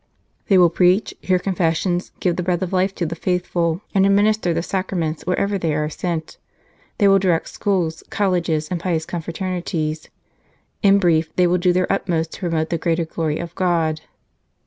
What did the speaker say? They will preach, hear confessions, give the Bread of Life to the faithful, and admin ister the Sacraments wherever they are sent. They will direct schools, colleges, and pious con fraternities. In brief, they will do their utmost to promote the greater glory of God.